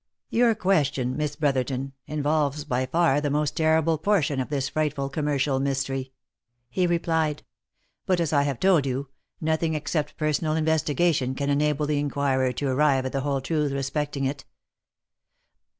Your question, Miss Brotherton, involves by far the most terrible portion of this frightful commercial mystery," he replied ;" but, as I have told you, nothing except personal investigation can enable the inquirer to arrive at the whole truth respecting it.